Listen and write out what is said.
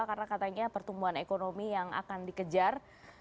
karena katanya pertumbuhan ekonomi yang akan dikejar